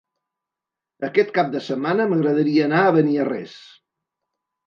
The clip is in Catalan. Aquest cap de setmana m'agradaria anar a Beniarrés.